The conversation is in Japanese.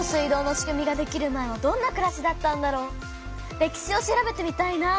歴史を調べてみたいな。